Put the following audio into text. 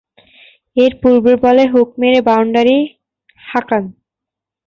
এর পূর্বের বলে হুক মেরে বাউন্ডারি হাঁকান।